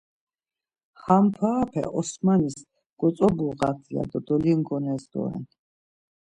Ham parape Osmanis gotzobuğat ya do dolingones doren.